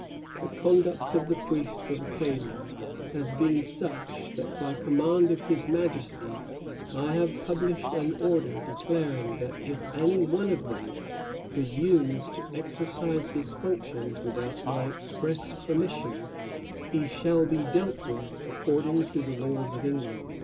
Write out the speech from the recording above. The conduct of the priests of Acadia has been such that by command of his Majesty I have published an Order declaring that if any one of them presumes to exercise his functions without my express permission he shall be dealt with according to the laws of England."